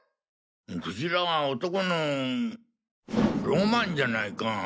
クジラは男のロマンじゃないか！